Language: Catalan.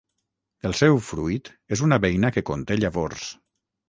El seu fruit és una beina que conté llavors.